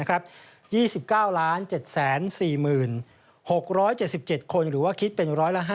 ๒๙๗๔๖๗๗คนหรือว่าคิดเป็น๑๕